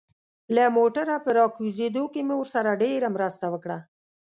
له موټره په راکوزېدو کې مو ورسره ډېره مرسته وکړه.